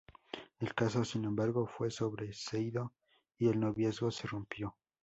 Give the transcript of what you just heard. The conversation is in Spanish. El caso, sin embargo, fue sobreseído y el noviazgo se rompió.